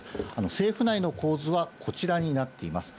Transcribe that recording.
政府内の構図はこちらになっています。